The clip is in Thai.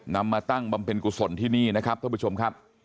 มาตั้งบำเพ็ญกุศลที่นี่นะครับท่านผู้ชมครับ